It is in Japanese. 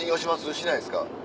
しないですか？